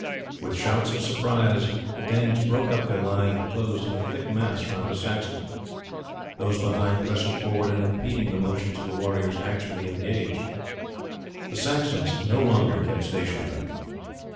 With shouts of surprise the Danes broke up their line and closed in a thick mass round the Saxons, those behind pressing forward and impeding the motions of the warriors actually engaged. The Saxons no longer kept stationary.